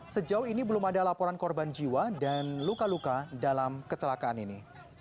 sejauh ini belum ada laporan korban jiwa dan luka luka dalam kecelakaan ini